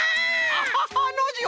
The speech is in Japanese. アハハノージー